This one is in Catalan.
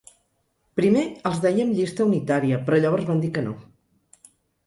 Primer els dèiem llista unitària, però llavors van dir que no.